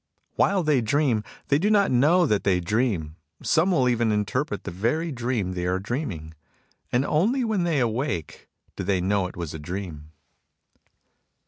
While they dream, they do not know that they dream. Some will even interpret the very dream they are dreaming ; and only when they awake do they know it was a dream.